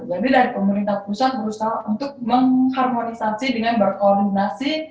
jadi dari pemerintah pusat berusaha untuk mengharmonisasi dengan berkoordinasi